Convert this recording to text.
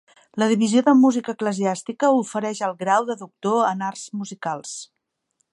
La Divisió de Música Eclesiàstica ofereix el grau de Doctor en Arts Musicals.